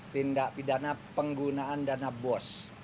tindak pidana penggunaan dana bos